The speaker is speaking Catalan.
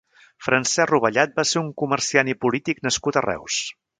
Francesc Rovellat va ser un comerciant i polític nascut a Reus.